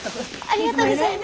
ありがとうございます。